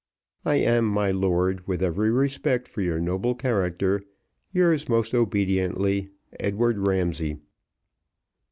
I am, my lord, with every respect for your noble character. "Yours most obediently, "EDWARD RAMSAY."